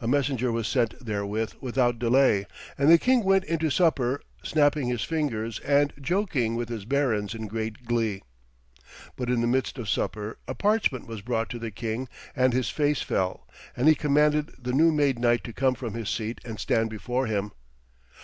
A messenger was sent therewith without delay, and the king went into supper, snapping his fingers and joking with his barons in great glee. But in the midst of supper a parchment was brought to the king and his face fell, and he commanded the new made knight to come from his seat and stand before him.